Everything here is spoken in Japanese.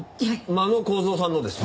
真野晃三さんのです。